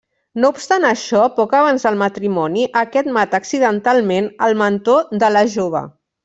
No obstant això, poc abans del matrimoni aquest mata accidentalment el mentor de la jove.